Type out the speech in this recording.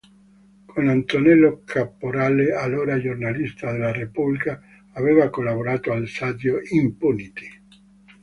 Con Antonello Caporale, allora giornalista de la Repubblica, aveva collaborato al saggio "Impuniti.